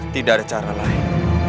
tidak ada cara lain